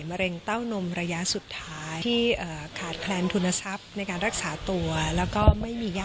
มะเร็งเต้านมระยะสุดท้าย